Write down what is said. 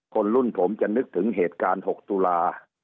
คนรุ่นผมจะนึกถึงเหตุการณ์๖ตุลา